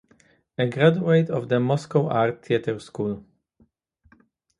A graduate of the Moscow Art Theatre School.